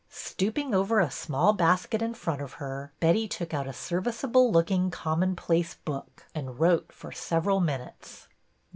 Stooping over a small basket in front of her, Betty took out a serviceable looking commonplace book and wrote for several minutes.